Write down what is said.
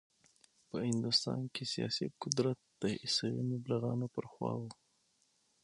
په هندوستان کې سیاسي قدرت د عیسوي مبلغانو پر خوا و.